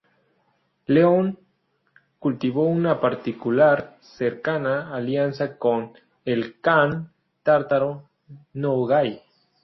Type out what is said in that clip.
León cultivó una particular cercana alianza con el khan tártaro Nogai.